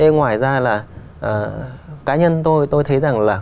ngoài ra là cá nhân tôi thấy rằng là